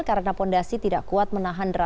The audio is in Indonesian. karena fondasi tidak kuat menahan deras